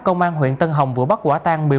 công an huyện tân hồng vừa bắt quả tăng